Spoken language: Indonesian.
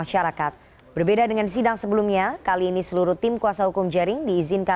saya ada di bali saya hadir disini